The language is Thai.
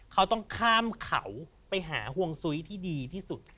เขาต้องข้ามเขาไปหาห่วงซุ้ยที่ดีที่สุด